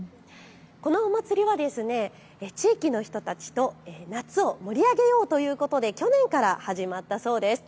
このお祭りは地域の人たちと夏を盛り上げようということで去年から始まったそうです。